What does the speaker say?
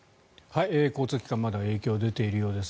交通機関まだ影響が出ているようです。